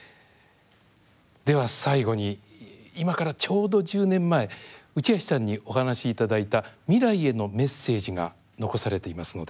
では最後に今からちょうど１０年前内橋さんにお話しいただいた未来へのメッセージが残されていますのでそれをご覧いただきたいと思います。